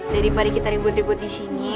daripada kita ribut ribut disini